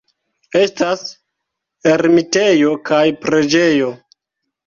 Estas ermitejo kaj preĝejo.